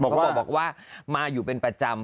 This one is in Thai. เขาบอกว่ามาอยู่เป็นประจำ